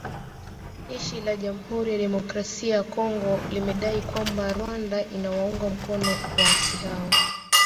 Jeshi la jamhuri ya kidemokrasia ya Kongo limedai kwamba Rwanda inawaunga mkono waasi hao